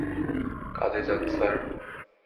কাজে যান, স্যার।